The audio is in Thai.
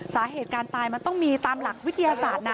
สาเหตุการตายมันต้องมีตามหลักวิทยาศาสตร์นะ